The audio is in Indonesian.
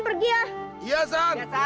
pak bukain pak